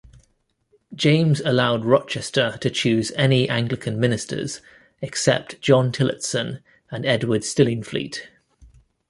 James allowed Rochester to choose any Anglican ministers except John Tillotson and Edward Stillingfleet.